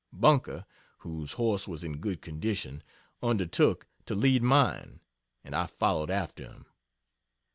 Bunker, (whose horse was in good condition,) undertook, to lead mine, and I followed after him.